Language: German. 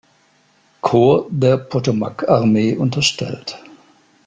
Korps der Potomac-Armee unterstellt.